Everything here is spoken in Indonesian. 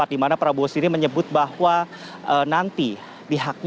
di mana prabowo sendiri menyebut bahwa nanti pihaknya